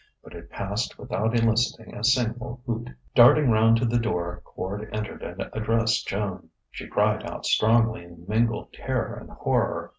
But it passed without eliciting a single hoot. Darting round to the door, Quard entered and addressed Joan. She cried out strongly in mingled terror and horror.